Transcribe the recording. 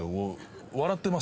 笑ってます。